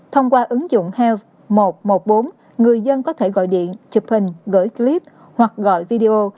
thông qua ứng dụng hall một trăm một mươi bốn người dân có thể gọi điện chụp hình gửi clip hoặc gọi video